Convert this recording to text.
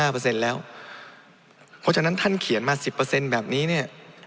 เพราะฉะนั้นท่านเขียนมา๑๐แบบนี้เนี่ย